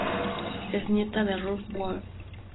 Es nieta de Ruth Wood.